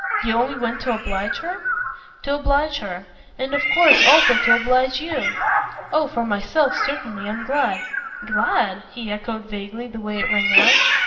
"You only went to oblige her?" "To oblige her. And of course also to oblige you." "Oh for myself certainly I'm glad." "'Glad'?" he echoed vaguely the way it rang out.